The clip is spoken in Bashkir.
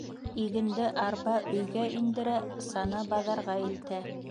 Игенде арба өйгә индерә, сана баҙарға илтә.